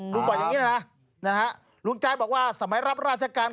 ลุงบอกอย่างนี้นะครับลุงใจบอกว่าสมัยรับราชการ